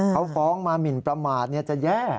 เขาฟ้องมาหมินประมาทจะแย่